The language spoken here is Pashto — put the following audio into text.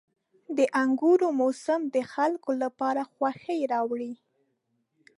• د انګورو موسم د خلکو لپاره خوښي راولي.